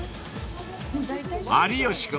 ［有吉君